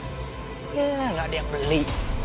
gak ada yang beli